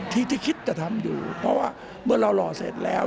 ที่ที่คิดจะทำอยู่เพราะว่าเมื่อเราหล่อเสร็จแล้ว